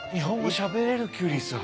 しゃべれるキュリーさん！